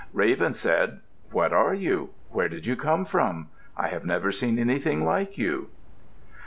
Raven said, "What are you? Where did you come from? I have never seen anything like you."